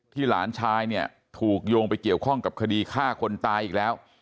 หลานชายเนี่ยถูกโยงไปเกี่ยวข้องกับคดีฆ่าคนตายอีกแล้ว